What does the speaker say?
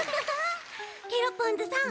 ケロポンズさん。